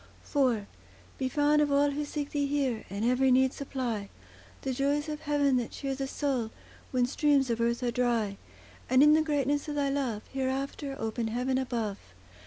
IV Be found of all who seek Thee here, And every need supply— The joys of heaven that cheer the soul, When streams of earth are dry; And in the greatness of Thy love, Hereafter, open heaven above.